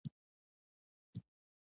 د اوبو بندونه ملي پانګه ده.